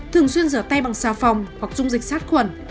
thường xuyên rửa tay bằng xà phòng hoặc dung dịch sát khuẩn